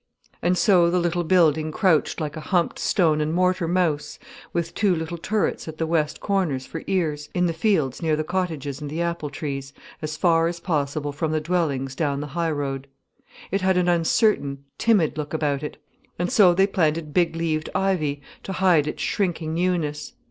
And so the little building crouched like a humped stone and mortar mouse, with two little turrets at the west corners for ears, in the fields near the cottages and the apple trees, as far as possible from the dwellings down the high road. It had an uncertain, timid look about it. And so they planted big leaved ivy, to hide its shrinking newness.